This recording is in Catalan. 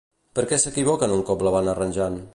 Per què s'equivoquen un cop la van arranjant?